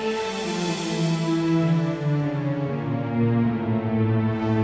saya mau ke rumah ibu